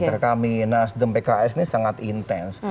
antara kami nasdem pks ini sangat intens